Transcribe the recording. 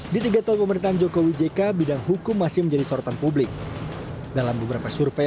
di pemerintahan jokowi jk setelah jadwal berikut